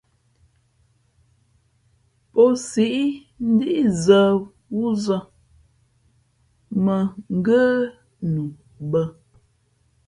Pō siʼ ndí zᾱ wúzᾱ mᾱ ngə́ nu bᾱ.